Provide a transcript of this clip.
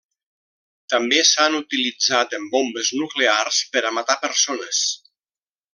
També s'ha utilitzat en bombes nuclears per a matar persones.